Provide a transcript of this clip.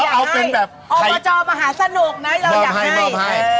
อ๋ออยากให้เอามาจอมาหาสนุกนะเราอยากให้มาบให้